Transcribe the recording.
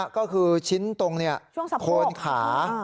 ก็คือชิ้นตรงโคนขา